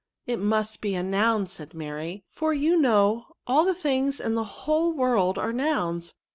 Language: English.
' It must be a noim," said Mary, " for you know all the things in the whole world are nouns.